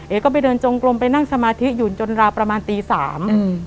เอ๊ะก็ไปเดินจงกลมไปนั่งสมาธิหยุดจนลาประมาณตีสาม